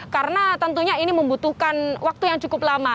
karena tentunya ini membutuhkan waktu yang cukup lama